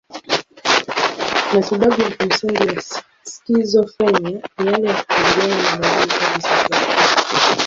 Matibabu ya kimsingi ya skizofrenia ni yale ya kukabiliana na dalili kali za kiakili.